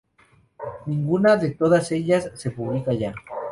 Ninguna de todas ellas se publica ya.